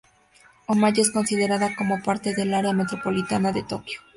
Oyama es considerada como parte del área metropolitana de Tokio.